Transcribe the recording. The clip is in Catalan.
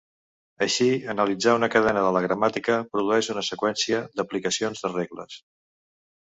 Així, analitzar una cadena de la gramàtica produeix una seqüència d'aplicacions de regles.